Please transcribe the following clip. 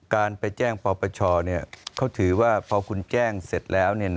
การไปแจ้งปปชเขาถือว่าพอคุณแจ้งเสร็จแล้ว